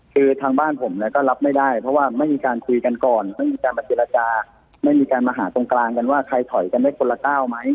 คือทางบ้านผมก็รับไม่ได้เพราะว่าไม่มีการคุยกันก่อนไม่มีการมาเจรจาไม่มีการมาหาตรงกลางกันว่าใครถอยกันได้คนละก้าวไหม